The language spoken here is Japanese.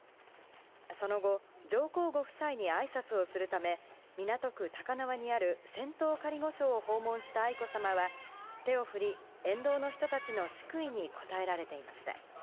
その後、上皇ご夫妻にあいさつをするため港区高輪にある仙洞仮御所を訪問した愛子さまは手を振り、沿道の人たちの祝意に応えられていました。